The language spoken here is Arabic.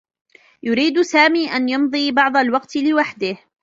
يريد سامي أن يمضي بعض الوقت لوحده.